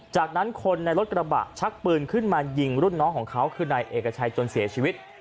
จากนั้นคนในรถกระบะชักปืนขึ้นมายิงรุ่นน้องของเขาคือนายเอกชัยจนเสียชีวิต